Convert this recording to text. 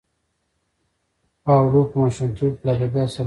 پاولو په ماشومتوب کې له ادبیاتو سره مینه لرله.